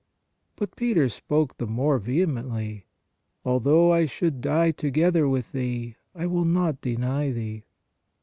But Peter spoke PRAYER OF PETITION 21 the more vehemently: Although I should die to gether with Thee, I will not deny Thee."